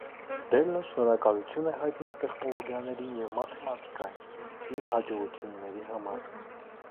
Դելլը շնորհակալություն է հայտնում տեխնոլոգիաներին և մաթեմատիկային՝ իր հաջողությունների համար։